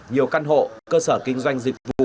nhiều căn hộ cơ sở kinh doanh dịch vụ